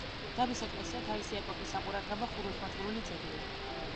დაბის ეკლესია თავისი ეპოქის საყურადღებო ხუროთმოძღვრული ძეგლია.